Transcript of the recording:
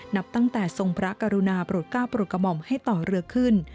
นับตั้งแต่ทรงพระกรุณาโปรดก้าวโปรดกระหม่อมให้ต่อเรือขึ้น